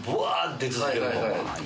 出続ける。